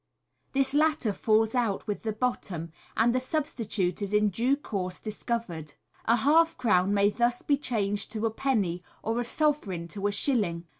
This latter falls out with the bottom, and the substitute is in due course discovered. A half crown may thus be changed to a penny, or a sovereign to a shilling.